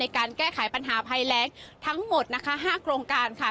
การแก้ไขปัญหาภัยแรงทั้งหมดนะคะ๕โครงการค่ะ